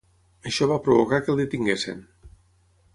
Això va provocar que el detinguessin.